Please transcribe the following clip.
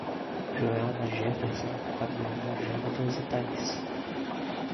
Joelma, Jefferson, Fabiana, Jonatas e Taís